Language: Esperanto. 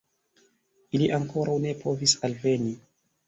Ili ankoraŭ ne povis alveni.